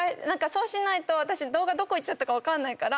そうしないと私動画どこ行っちゃったか分かんないから。